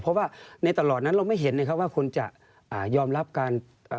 เพราะว่าในตลอดนั้นเราไม่เห็นนะครับว่าคุณจะอ่ายอมรับการ